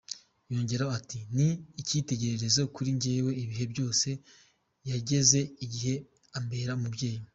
Yongeyeho ati “Ni icyitegererezo kuri njyewe ibihe byose, yageze igihe ambera umubyeyi.